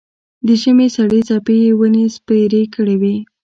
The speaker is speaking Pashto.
د ژمي سړې څپې یې ونې سپېرې کړې وې.